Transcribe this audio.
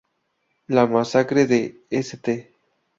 La masacre de St.